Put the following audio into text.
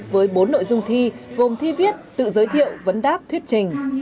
với bốn nội dung thi gồm thi viết tự giới thiệu vấn đáp thuyết trình